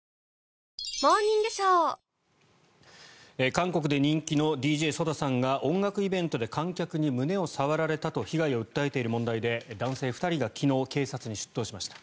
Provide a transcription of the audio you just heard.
韓国で人気のＤＪＳＯＤＡさんが音楽イベントに観客に胸を触られたと被害を訴えている問題で男性２人が昨日警察に出頭しました。